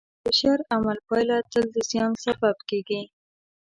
د شر عمل پایله تل د زیان سبب کېږي.